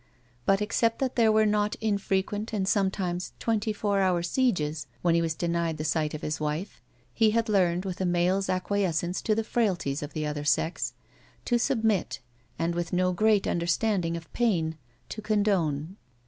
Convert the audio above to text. But except that there Were not infrequent and sometimes twenty four hotir sieges when he was denied the sight of his wife, he had learned, with a male's acquiescence to the frailties of the other sex, to submit, and, with no great tmderstanding of pain, to condone.